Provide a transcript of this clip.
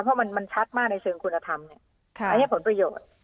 เพราะมันชัดมากในเชิงคุณธรรมอันนี้ผลประโยชน์